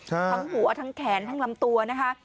ทั้งหัวทั้งแขนทั้งลำตัวนะคะ